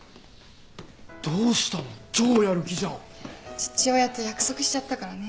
父親と約束しちゃったからね。